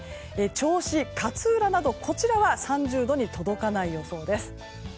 銚子、勝浦など、こちらは３０度に届かない予想です。